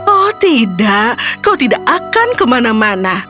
oh tidak kau tidak akan kemana mana